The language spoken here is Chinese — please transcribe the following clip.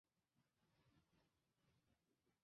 其实我们都有做了